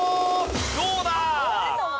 どうだ？